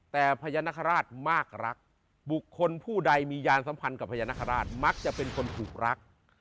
แต่พญานาคาราชมากรักบุคคลผู้ใดมียานสัมพันธ์กับพญานาคาราชมักจะเป็นคนถูกรัก